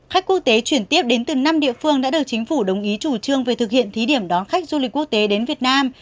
khách quốc tế chuyển tiếp đến từ năm địa phương đã được chính phủ đồng ý chủ trương về thực hiện thí điểm đón khách du lịch quốc tế đến việt nam